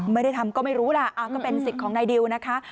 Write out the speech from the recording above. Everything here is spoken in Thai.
ไม่ได้ทำก็ไม่รู้ล่ะก็เป็นสิทธิ์ของนายดิวนะคะ